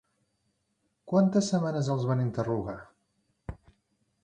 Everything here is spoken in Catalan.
Quantes setmanes els van interrogar?